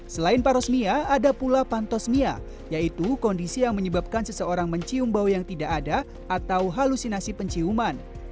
selain parosmia ada pula pantosmia yaitu kondisi yang menyebabkan seseorang mencium bau yang tidak ada atau halusinasi penciuman